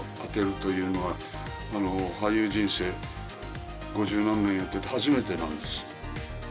アニメーションに声を当てるというのは、俳優人生五十何年やってて初めてなんです。